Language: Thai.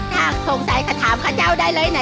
ถ้าสงสัยขถามข้าเจ้าได้เลยไหน